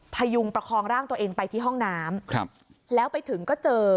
พยุงประคองร่างตัวเองไปที่ห้องน้ำครับแล้วไปถึงก็เจอ